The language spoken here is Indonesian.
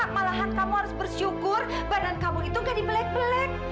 malahan kamu harus bersyukur badan kamu itu nggak dibelak belak